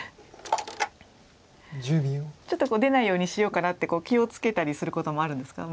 ちょっと出ないようにしようかなって気を付けたりすることもあるんですか？